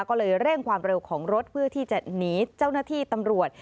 ก็เลยเร่งความเร็วของรถเพื่อที่จะหนีเจ้าหน้าที่ตำรวจ